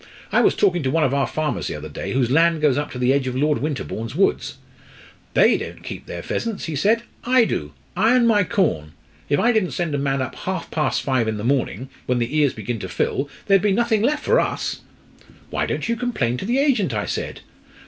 "I was talking to one of our farmers the other day whose land goes up to the edge of Lord Winterbourne's woods. 'They don't keep their pheasants, miss,' he said. 'I do. I and my corn. If I didn't send a man up half past five in the morning, when the ears begin to fill, there'd be nothing left for us.' 'Why don't you complain to the agent?' I said.